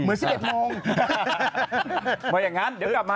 เหมือน๑๑ม